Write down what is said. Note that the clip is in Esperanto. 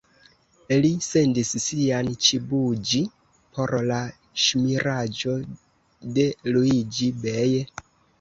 Li sendis sian _ĉibuĝi_ por la ŝmiraĵo de Luiĝi-Bej.